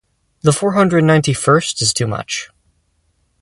The four hundred and ninety-first is too much.